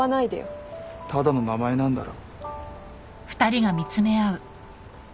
ただの名前なんだろ？